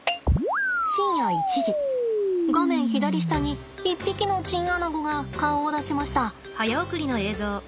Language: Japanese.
深夜１時画面左下に一匹のチンアナゴが顔を出しました。